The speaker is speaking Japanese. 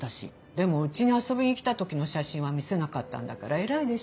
でもうちに遊びに来た時の写真は見せなかったんだから偉いでしょ？